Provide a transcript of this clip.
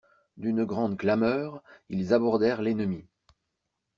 D'une grande clameur, ils abordèrent l'ennemi.